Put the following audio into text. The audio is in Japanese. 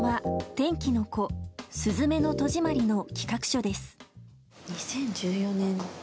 「天気の子」「すずめの戸締まり」の企画書です。